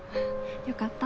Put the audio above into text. よかった。